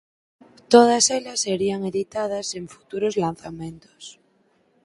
Todas elas serían editadas en futuros lanzamentos.